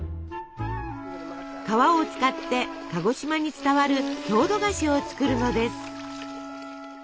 皮を使って鹿児島に伝わる郷土菓子を作るのです。